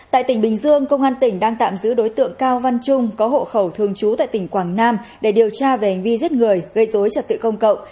tại tỉnh bình dương công an tỉnh đang tạm giữ đối tượng cao văn trung có hộ khẩu thường trú tại tỉnh quảng nam để điều tra về hành vi giết người gây dối trật tự công cộng